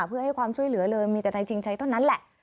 เพื่อให้ความช่วยเหลือเลยมีแต่นายชิงชัยเท่านั้นแหละ